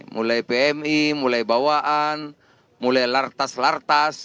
mulai pmi mulai bawaan mulai lartas lartas